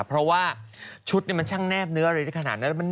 เพราะว่าชุดนี่มันชั่งแนบเนื้อเลยด้วยขนาดนั้น